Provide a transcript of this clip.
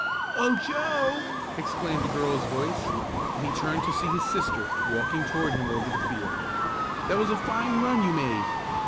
"Oh, Joe!" exclaimed a girl's voice, and he turned to see his sister walking toward him over the field. "That was a fine run you made."